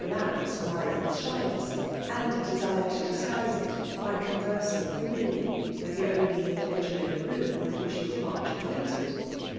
« lowance tor Marian's shyness, and desire P0 disguise it by cosTersing fSeimiliarly witli file ofnly individual in the room with whom 1^ wm much acquainted.